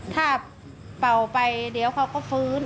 ถ้าเป่าไปเดี๋ยวเขาก็ฟื้น